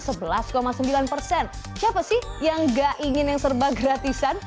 siapa sih yang gak ingin yang serba gratisan